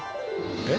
［えっ？